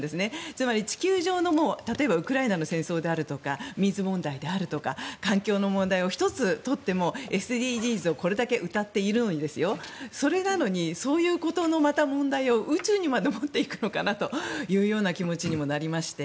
つまり地球上の、例えばウクライナの戦争であるとか水問題であるとか環境の問題を１つ取ってもＳＤＧｓをこれだけうたっているのにそれなのにそういうことの問題を宇宙にまで持っていくのかなというような気持ちにもなりまして。